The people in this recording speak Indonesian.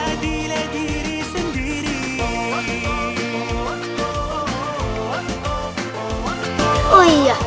jadilah diri sendiri